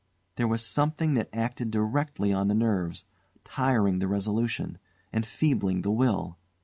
There was something that acted directly on the nerves, tiring the resolution, enfeebling the will.